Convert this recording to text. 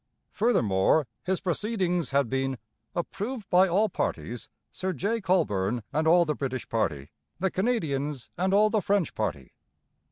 Furthermore, his proceedings had been 'approved by all parties Sir J. Colborne and all the British party, the Canadians and all the French party.'